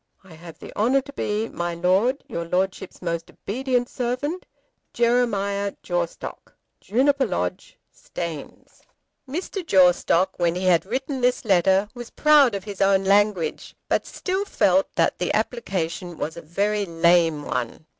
I have the honour to be, My Lord, Your Lordship's most obedient Servant, JEREMIAH JAWSTOCK. Juniper Lodge, Staines. Mr. Jawstock, when he had written this letter, was proud of his own language, but still felt that the application was a very lame one.